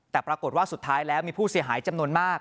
แต่ปรากฏว่าสุดท้ายแล้วมีผู้เสียหายจำนวนมาก